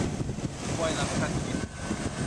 ซวยละ ไม่ทันคิด